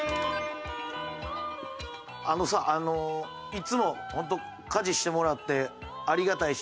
あのさあのいつもホント家事してもらってありがたいし